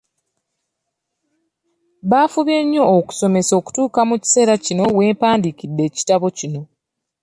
Bafubye ennyo okunsomesa okutuuka mu kiseera kino we mpandiikidde ekitabo kino.